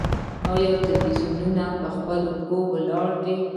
آیا تلویزیونونه په خپلو پښو ولاړ دي؟